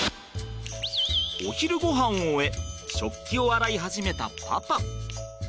お昼ごはんを終え食器を洗い始めたパパ。